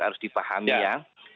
harus dipahami ya